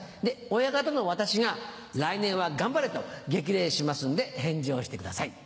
親方の私が「来年は頑張れ」と激励しますんで返事をしてください。